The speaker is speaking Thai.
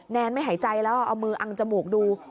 แนนไม่หายใจแล้วเอามืออังจมูกดู